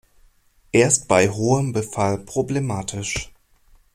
Erst bei hohem Befall problematisch.